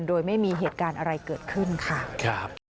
โดยไม่มีเหตุการณ์อะไรเกิดขึ้นค่ะ